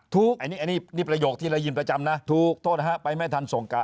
อันนี้นี่ประโยคที่ได้ยินประจำนะถูกโทษนะฮะไปไม่ทันส่งกะ